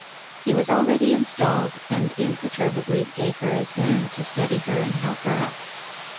He was already installed and imperturbably gave her his hand to steady her and help her up.